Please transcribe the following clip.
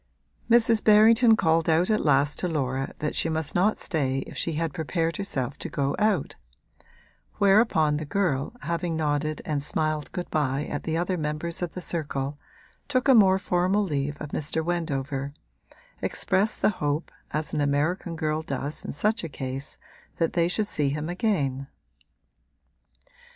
Mrs. Berrington called out at last to Laura that she must not stay if she had prepared herself to go out: whereupon the girl, having nodded and smiled good bye at the other members of the circle, took a more formal leave of Mr. Wendover expressed the hope, as an American girl does in such a case, that they should see him again.